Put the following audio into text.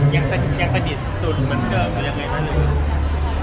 ยังสนิทสุดเหมือนกันหรือยังไงหนึ่ง